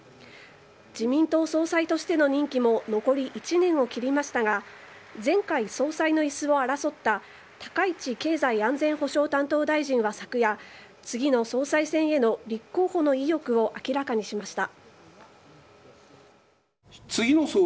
自民党総裁としての任期も残り１年を切りましたが前回、総裁の椅子を争った高市経済安全保障担当大臣は昨夜次の総裁選への立候補の意欲を明らかにしました。